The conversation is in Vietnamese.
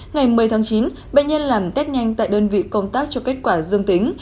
ngày một mươi tháng chín bệnh nhân làm test nhanh tại đơn vị công tác cho kết quả dương tính